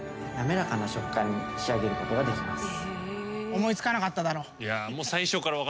思い付かなかっただろ？